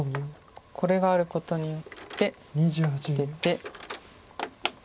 これがあることによって出て。